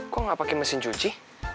kok gak pake mesin cuci